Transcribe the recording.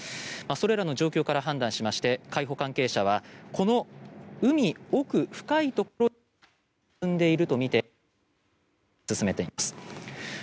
それらの状況から判断しまして海保関係者はこの海奥深いところに沈んでいるとみて捜索を進めています。